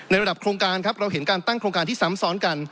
ระดับโครงการครับเราเห็นการตั้งโครงการที่ซ้ำซ้อนกัน